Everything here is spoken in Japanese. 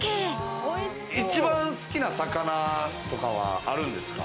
一番好きな魚とかはあるんですか？